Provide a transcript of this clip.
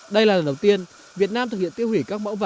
đây là lần đầu tiên việt nam thực hiện tiêu hủy